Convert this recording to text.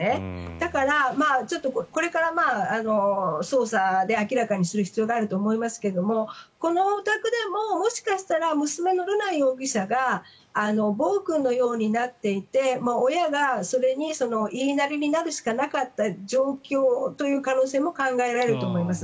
だから、これから捜査で明らかにする必要があると思いますがこのお宅でも、もしかしたら娘の瑠奈容疑者が暴君のようになっていて親がそれに言いなりになるしかなかった状況という可能性も考えられると思います。